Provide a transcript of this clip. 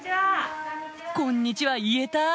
・「こんにちは」言えた！